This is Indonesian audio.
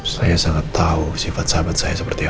saya sangat tahu sifat sahabat saya seperti apa